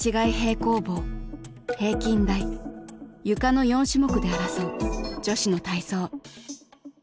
の４種目で争う女子の体操。